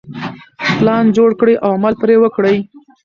پلان جوړ کړئ او عمل پرې وکړئ.